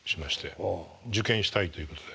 受験したいということで。